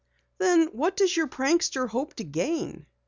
"Then what does your prankster hope to gain?"